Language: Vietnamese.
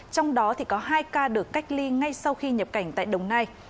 trong đó có hai ca được cách ly ngay sau khi nhập cảnh tại đồng nai